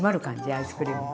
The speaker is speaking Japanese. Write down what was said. アイスクリームが。